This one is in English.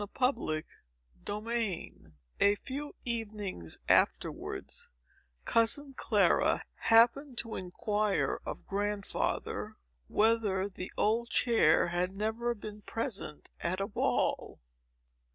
Chapter VII A few evenings afterwards, cousin Clara happened to inquire of Grandfather, whether the old chair had never been present at a ball.